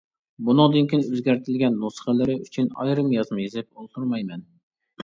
بۇنىڭدىن كىيىن ئۆزگەرتىلگەن نۇسخىلىرى ئۈچۈن ئايرىم يازما يېزىپ ئولتۇرمايمەن.